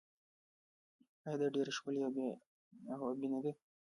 آیا دا ډیره ښکلې او ابي نه ده؟